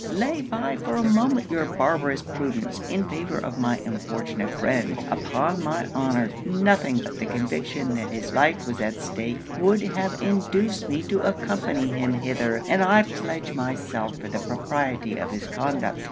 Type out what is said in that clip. Lay by for a moment your barbarous prudence, in favour of my unfortunate friend; upon my honour, nothing but the conviction that his life was at stake, would have induced me to accompany him hither; and I pledge myself for the propriety of his conduct.